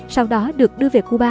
sau đó được đưa về cuba